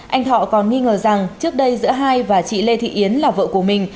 anh thọ còn nghi ngờ rằng trước đây giữa hai và chị lê thị yến là vợ của mình